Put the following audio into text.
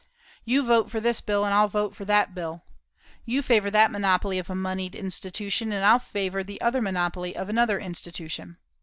"You vote for this bill, and I'll vote for that bill." "You favour that monopoly of a moneyed institution, and I'll favour the other monopoly of another institution."